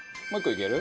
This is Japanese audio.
いける！